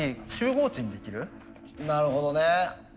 なるほどね。